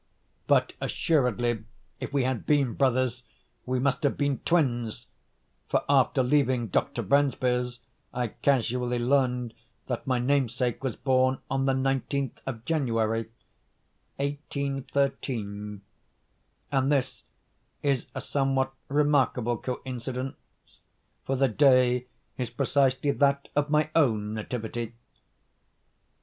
But assuredly if we had been brothers we must have been twins; for, after leaving Dr. Bransby's, I casually learned that my namesake was born on the nineteenth of January, 1813—and this is a somewhat remarkable coincidence; for the day is precisely that of my own nativity.